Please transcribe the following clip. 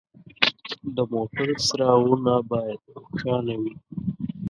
د موټر څراغونه باید روښانه وي.